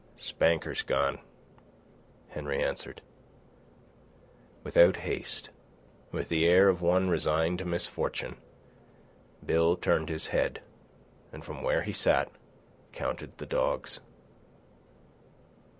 "Spanker's gone," Henry answered. Without haste, with the air of one resigned to misfortune Bill turned his head, and from where he sat counted the dogs.